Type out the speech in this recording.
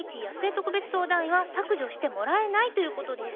特別相談員は「削除してもらえない」ということです。